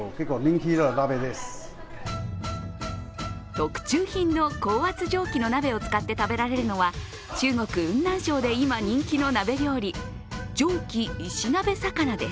特注品の高圧蒸気の鍋を使って食べられるのは中国雲南省で今、人気の鍋料理蒸気石鍋魚です。